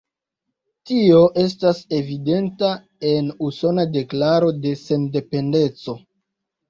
Tio estas evidenta en "Usona Deklaro de Sendependeco".